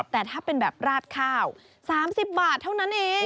แต่ถ้าเป็นแบบราดข้าว๓๐บาทเท่านั้นเอง